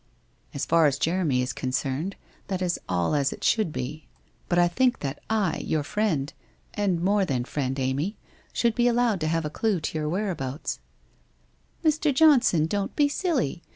'As far as Jeremy is concerned that is as it should be, 366 WHITE ROSE OF WEARY LEAF but I think that I, your friend — and more than friend, Amy — should be allowed to have a clue to your where abouts/ i Mr. Johnson, don't be silly